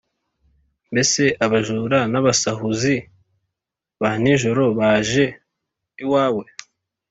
mbese abajura n’abasahuzi ba nijoro baje iwawe,